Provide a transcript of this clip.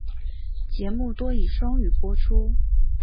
节目多以双语播出。